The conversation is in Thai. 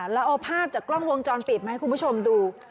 เราเอาภาพจากกล้องวงจรปิดมาให้คุณผู้ชมดู